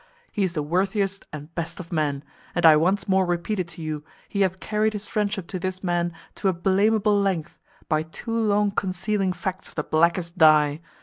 He is the worthiest and best of men; and I once more repeat it to you, he hath carried his friendship to this man to a blameable length, by too long concealing facts of the blackest die.